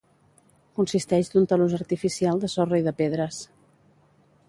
Consisteix d'un talús artificial de sorra i de pedres.